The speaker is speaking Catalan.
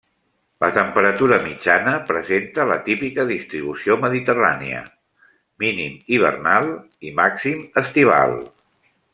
La temperatura mitjana presenta la típica distribució mediterrània, mínim hivernal i màxim estival.